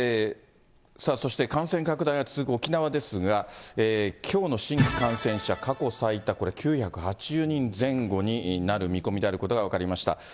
そして感染拡大が続く沖縄ですが、きょうの新規感染者、過去最多、９８０人前後になる見込みであることが分かりました。